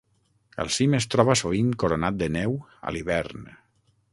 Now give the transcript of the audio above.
El cim es troba sovint coronat de neu a l'hivern.